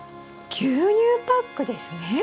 牛乳パックですね？